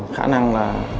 khả năng là